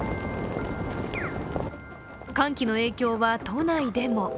寒気の影響は都内でも。